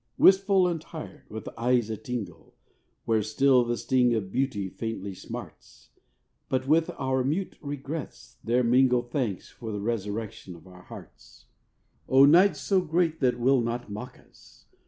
Wistful and tired, with eyes a tingle Where still the sting of Beauty faintly smarts; But with our mute regrets there mingle Thanks for the resurrection of our hearts. O night so great that will not mock us!